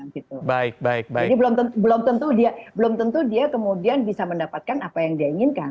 jadi belum tentu dia kemudian bisa mendapatkan apa yang dia inginkan